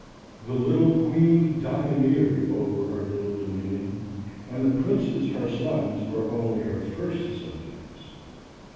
The little Queen domineered over her little dominion, and the Princes her sons were only her first subjects.